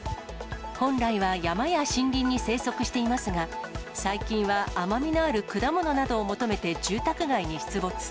本来は山や森林に生息していますが、最近は甘みのある果物などを求めて、住宅街に出没。